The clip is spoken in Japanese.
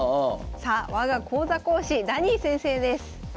さあ我が講座講師ダニー先生です。